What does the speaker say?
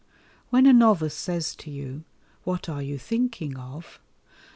When a novice says to you, "What are you thinking of?"